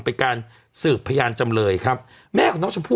เป็นการสืบพยานจำเลยครับแม่ของน้องชมพู่